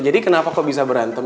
jadi kenapa kok bisa berantem